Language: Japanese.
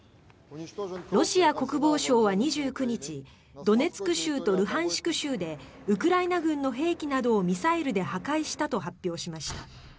ロシア国防省は２９日ドネツク州とルハンシク州でウクライナ軍の兵器などをミサイルで破壊したと発表しました。